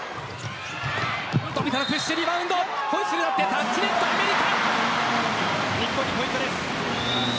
タッチネット、アメリカ日本にポイントです。